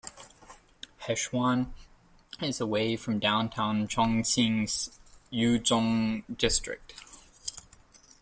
Hechuan is away from downtown Chongqing's Yuzhong District.